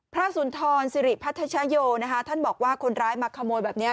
สุนทรสิริพัทชโยนะคะท่านบอกว่าคนร้ายมาขโมยแบบนี้